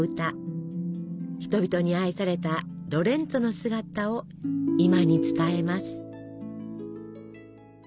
人々に愛されたロレンツォの姿を今に伝えます。